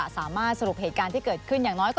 สวัสดีครับ